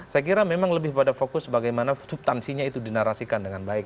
saya kira memang lebih pada fokus bagaimana subtansinya itu dinarasikan dengan baik